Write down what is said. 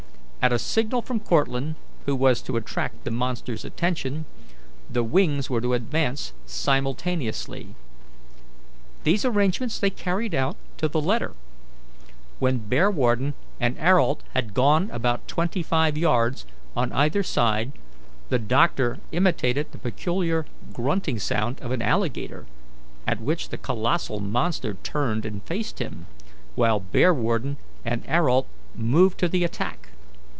At a signal from Cortlandt, who was to attract the monster's attention, the wings were to advance simultaneously. These arrangements they carried out to the letter. When Bearwarden and Ayrault had gone about twenty five yards on either side, the doctor imitated the peculiar grunting sound of an alligator, at which the colossal monster turned and faced him, while Bearwarden and Ayrault moved to the attack.